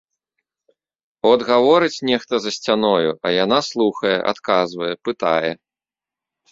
От гаворыць нехта за сцяною, а яна слухае, адказвае, пытае.